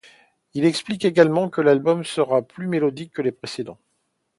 Il explique également que l'album sera plus mélodique que les précédents.